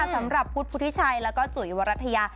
สำหรับภูตภูติชัยแล้วก็จุยวรรทยา